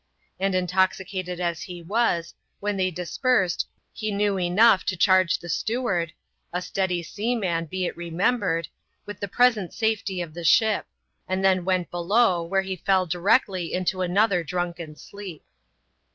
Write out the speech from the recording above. And intoxicated as he was, when they dispersed, he knew enough to charge the steward — a steady seaman be it remem bered — with the present safety of the ship; and then went below, where he fell directly into another drunken sleep.